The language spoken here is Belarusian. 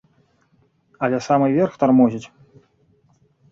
Але самы верх тармозіць.